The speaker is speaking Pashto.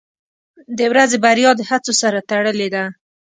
• د ورځې بریا د هڅو سره تړلې ده.